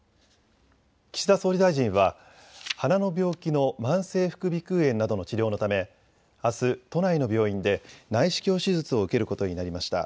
岸田総理大臣は鼻の病気の慢性副鼻くう炎などの治療のためあす都内の病院で内視鏡手術を受けることになりました。